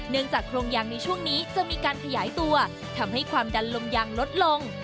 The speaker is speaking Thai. จากโครงยางในช่วงนี้จะมีการขยายตัวทำให้ความดันลมยางลดลง